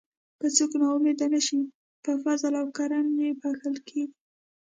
که څوک نا امید نشي په فضل او کرم یې بښل کیږي.